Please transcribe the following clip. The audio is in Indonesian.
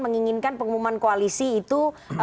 menginginkan pengumuman koalisi itu